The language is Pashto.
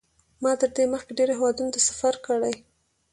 ما تر دې مخکې ډېرو هېوادونو ته سفرونه کړي.